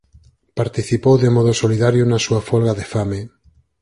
Participou de modo solidario na súa folga de fame.